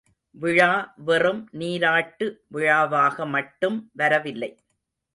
விழா வெறும் நீராட்டு விழாவாக மட்டும் வரவில்லை.